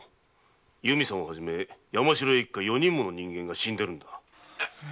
由美さんを初め山城屋一家四人もの人間が死んでいるのだ。